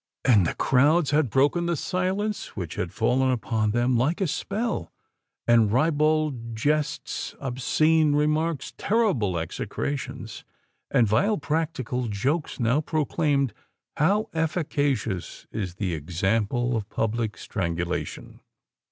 And the crowds had broken the silence which had fallen upon them like a spell;—and ribald jests—obscene remarks—terrible execrations—and vile practical jokes now proclaimed how efficacious is the example of public strangulation!